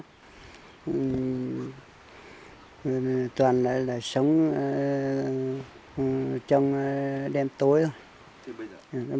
chúng tôi toàn là sống trong đêm tối thôi